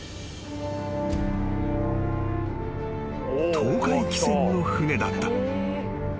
［東海汽船の船だった］